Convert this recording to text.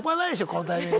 このタイミングで。